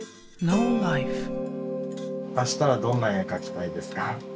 明日はどんな絵描きたいですか？